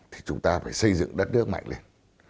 thì chúng ta phải xây dựng đất nước mạnh lên